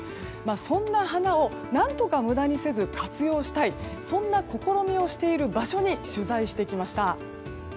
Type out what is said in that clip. そんな花を何とか無駄にせず活用したいそんな試みをしている場所に取材してきました。